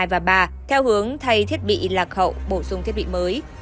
và ba theo hướng thay thiết bị lạc hậu bổ sung thiết bị mới